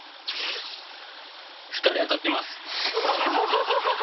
２人当たってます。